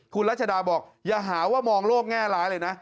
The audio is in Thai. คุณรัชดาบอกอย่าหาว่ามองโลกแง่ร้ายเลยนะ